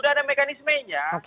sudah ada mekanismenya